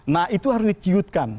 nah itu harus diciutkan